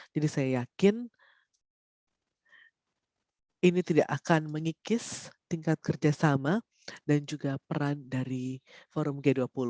jadi saya yakin ini tidak akan mengikis tingkat kerjasama dan juga peran dari forum g dua puluh